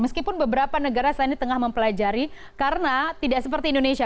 meskipun beberapa negara saat ini tengah mempelajari karena tidak seperti indonesia